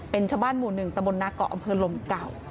เป็นชาวบ้านหมู่๑ตะบนนาเกาะอำเภอลมเก่า